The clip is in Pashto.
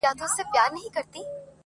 موږ ته ورکي لاري را آسانه کړي،